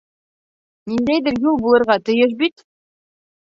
Ниндәйҙер юл булырға тейештер бит?